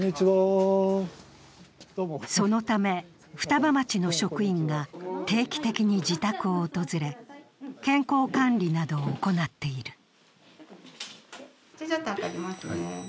そのため双葉町の職員が定期的に自宅を訪れ、健康管理などを行っている。